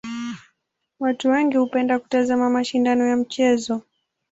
Watu wengi hupenda kutazama mashindano ya michezo.